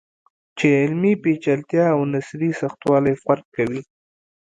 چې علمي پیچلتیا او نثري سختوالی فرق کوي.